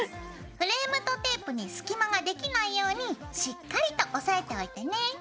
フレームとテープに隙間ができないようにしっかりと押さえておいてね！